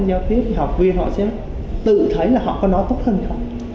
nói tiếng anh giao tiếp thì học viên họ sẽ tự thấy là họ có nói tốt hơn không